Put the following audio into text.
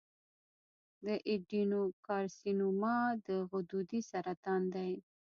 د ایڈینوکارسینوما د غدودي سرطان دی.